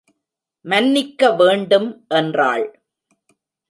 மன்னிக்க வேண்டும் என்றாள்.